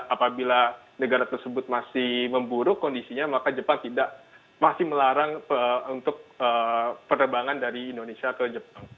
apabila negara tersebut masih memburuk kondisinya maka jepang tidak masih melarang untuk penerbangan dari indonesia ke jepang